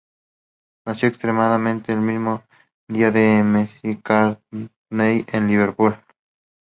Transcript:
Nació exactamente el mismo día que McCartney en Liverpool.